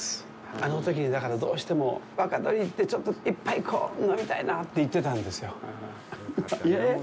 あのときに、だから、どうしてもわかどりに行ってちょっと一杯、こう、飲みたいなって言ってたんですよ。